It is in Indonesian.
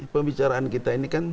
pembicaraan kita ini kan